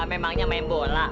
memangnya main bola